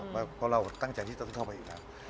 เพราะเราตั้งใจที่ต้องเข้าไปอีกแล้ว